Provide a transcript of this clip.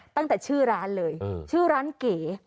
ตั้งแต่ชื่อร้านเลยชื่อร้านเก๋